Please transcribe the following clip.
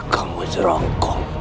kamu tidak berutusan